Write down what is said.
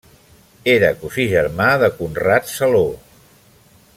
Era cosí germà de Conrad Saló.